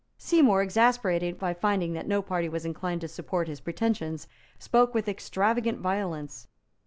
Seymour, exasperated by finding that no party was inclined to support his pretensions, spoke with extravagant violence.